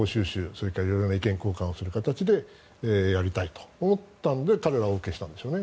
それから色んな意見交換をする形でやりたいと思ったので彼らはＯＫしたんでしょうね。